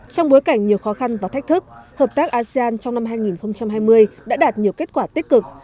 trong bối cảnh nhiều khó khăn và thách thức hợp tác asean trong năm hai nghìn hai mươi đã đạt nhiều kết quả tích cực